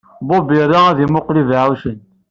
Bob ira ad yemmuqqel ibeɛɛucen.